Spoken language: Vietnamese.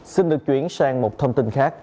xin được chuyển sang một thông tin khác